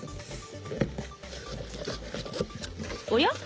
おや？